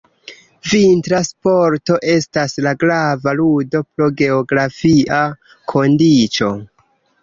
Vintra sporto estas la grava ludo pro geografia kondiĉo.